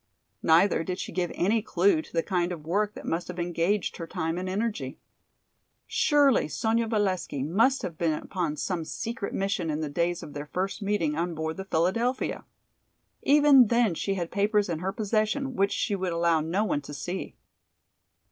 Neither did she give any clue to the kind of work that must have engaged her time and energy. Surely Sonya Valesky must have been upon some secret mission in the days of their first meeting on board the "Philadelphia!" Even then she had papers in her possession which she would allow no one to see.